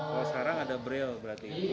kalau sekarang ada braille berarti